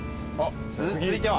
続いては？